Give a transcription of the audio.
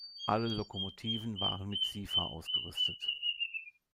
Alle Lokomotiven waren mit Sifa ausgerüstet.